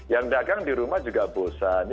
yang dagang di rumah juga bosan